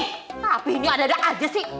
tapi ini adadak aja sih